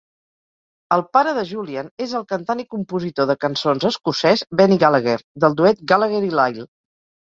El pare de Julian és el cantant i compositor de cançons escocès Benny Gallagher, del duet Gallagher i Lyle.